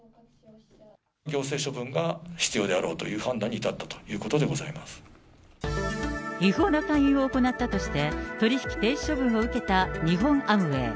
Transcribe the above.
行政処分が必要であろうという判断に至ったということでござ違法な勧誘を行ったとして、取り引き停止処分を受けた日本アムウェイ。